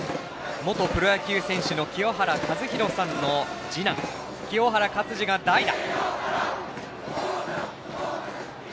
元プロ野球選手の清原和博さんの次男清原勝児が代打。